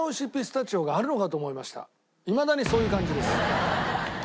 いまだにそういう感じです。